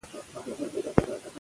تا هم زما د زړه خبره وانه اورېده.